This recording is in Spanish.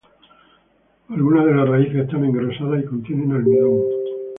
Algunas de las raíces están engrosadas y contienen almidón.